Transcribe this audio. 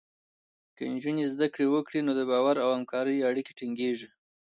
که نجونې زده کړه وکړي، نو د باور او همکارۍ اړیکې ټینګېږي.